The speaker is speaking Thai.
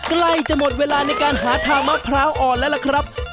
ใกล้จะหมดเวลาในการหาทางมะพร้าวอ่อนแล้วล่ะครับ